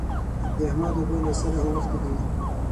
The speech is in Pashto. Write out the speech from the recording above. د احمد اوبه له سره اوښتې دي.